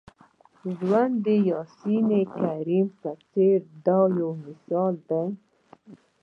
ژوند د آیس کریم په څېر دی دا یو مثال دی.